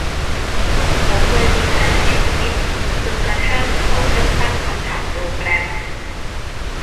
เขาเคยมีงานในชีวิต จนกระทั่งเขาเริ่มตั้งคำถามโปรแกรม